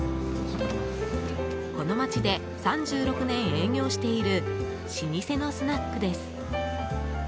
この街で３６年営業している老舗のスナックです。